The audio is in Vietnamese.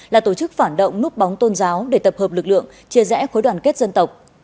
là tổ chức phản động núp bóng tôn giáo để tập hợp lực lượng chia rẽ khối đoàn kết dân tộc